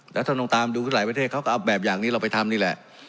แล้วท่านต้องตามดูคือหลายประเทศเขาก็เอาแบบอย่างนี้เราไปทำนี่แหละ